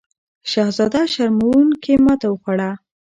شهزاده شرموونکې ماته وخوړه.